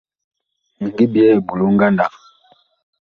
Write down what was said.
Mi ngi byɛɛ eɓolo ngandag.